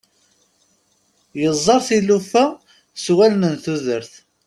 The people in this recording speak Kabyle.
Yeẓẓar tilufa s wallen n tudert.